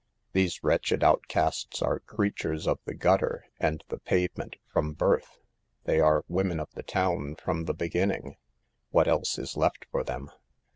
These wretched outcasts are creatures of the gutter and the pavement from birth. They are 46 wo men of the town " from the beginning ; what else is left for them